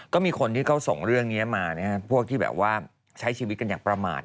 ก็มีคนที่เขาส่งเรื่องนี้มาพวกที่แบบว่าใช้ชีวิตกันอย่างประมาท